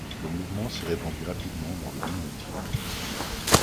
Le mouvement s'est répandu rapidement dans le monde entier.